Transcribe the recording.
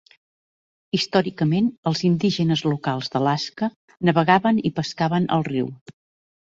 Històricament, els indígenes locals d'Alaska navegaven i pescaven al riu.